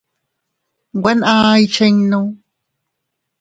Nwe naa ikchinnu.